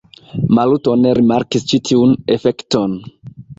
Maluto ne rimarkis ĉi tiun efekton.